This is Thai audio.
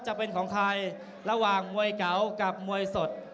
จะเป็นของใครระหว่างมวยเก๋ากับมวยสด